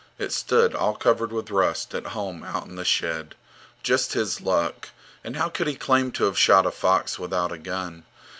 It stood, all covered with rust, at home out in the shed. Just his luck! And how could he claim to have shot a fox without a gun?